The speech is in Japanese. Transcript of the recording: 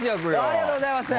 ありがとうございます。